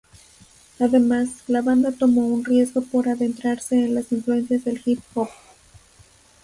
Además, la banda tomó un riesgo por adentrarse en las influencias de hip hop.